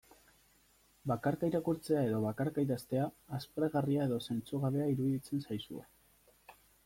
Bakarka irakurtzea edo bakarka idaztea, aspergarria edo zentzugabea iruditzen zaizue.